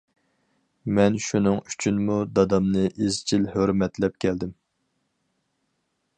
مەن شۇنىڭ ئۈچۈنمۇ دادامنى ئىزچىل ھۆرمەتلەپ كەلدىم.